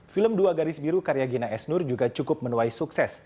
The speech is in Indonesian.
film dua garis biru karya gina esnur juga cukup menuai sukses